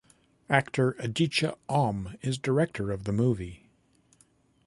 Actor Aditya Om is director of the movie.